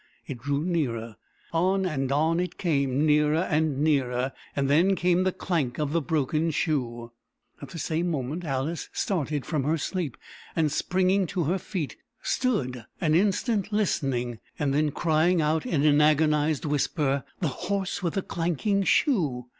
It drew nearer. On and on it came nearer and nearer. Then came the clank of the broken shoe! At the same moment, Alice started from her sleep and, springing to her feet, stood an instant listening. Then crying out, in an agonised whisper, "The horse with the clanking shoe!"